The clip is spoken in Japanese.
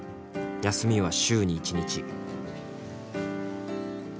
休みは週に１日。